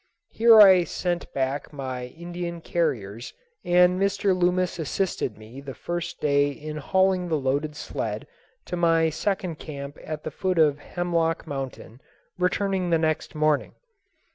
Here I sent back my Indian carriers, and Mr. Loomis assisted me the first day in hauling the loaded sled to my second camp at the foot of Hemlock Mountain, returning the next morning.